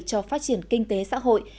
cho phát triển kinh tế xã hội